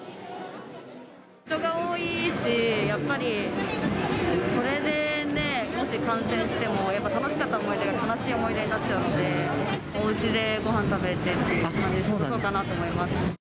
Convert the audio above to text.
人が多いし、やっぱり、これでもし感染してもやっぱ楽しかった思い出が悲しい思い出になっちゃうんで、おうちでごはん食べて、帰って、過ごそうかなと思います。